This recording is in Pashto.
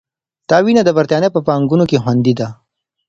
دا وینه د بریتانیا په بانکونو کې خوندي ده.